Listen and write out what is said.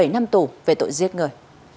bảy năm tù về tội giết người